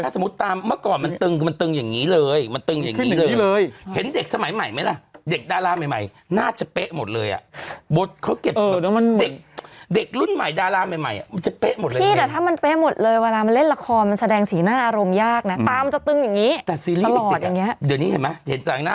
แจงจริงงามันมีผลก็เหมือนที่โมรสเมย์บอกจริงนะ